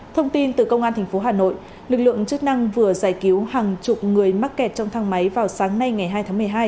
thông tin từ công an tp hà nội lực lượng chức năng vừa giải cứu hàng chục người mắc kẹt trong thang máy vào sáng nay ngày hai tháng một mươi hai